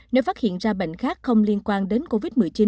nếu phát hiện ra bệnh khác không liên quan đến covid một mươi chín